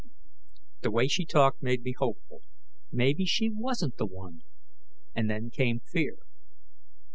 The way she talked made me hopeful. Maybe she wasn't the one ... and then came fear.